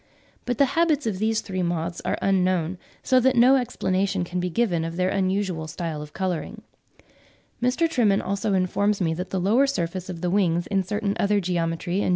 But the habits of these three moths are unknown; so that no explanation can be given of their unusual style of colouring. Mr. Trimen also informs me that the lower surface of the wings in certain other Geometrae (17. See also an account of the S.